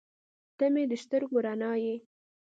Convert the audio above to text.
• ته مې د سترګو رڼا یې.